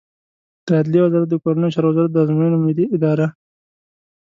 د عدلیې وزارت د کورنیو چارو وزارت، د ازموینو ملی اداره